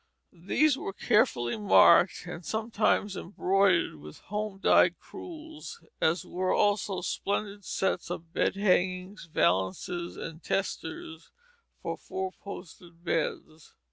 These were carefully marked, and sometimes embroidered with home dyed crewels, as were also splendid sets of bed hangings, valances, and testers for four post bedsteads.